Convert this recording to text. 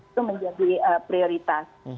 itu menjadi prioritas